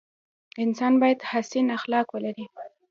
انسان باید حسن اخلاق ولري.